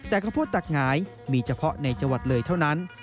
แต่ข้าวโพดตักหงายมีเฉพาะในจังหวัดเลยเท่านั้น